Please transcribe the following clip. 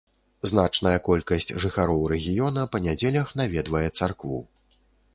Значная колькасць жыхароў рэгіёна па нядзелях наведвае царкву.